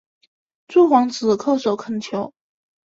诸皇子叩首恳求。